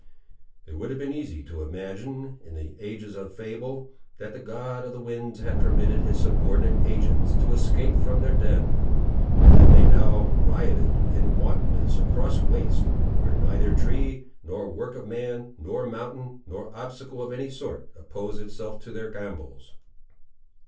It would have been easy to have imagined, in the ages of fable, that the god of the winds had permitted his subordinate agents to escape from their den, and that they now rioted, in wantonness, across wastes, where neither tree, nor work of man, nor mountain, nor obstacle of any sort, opposed itself to their gambols.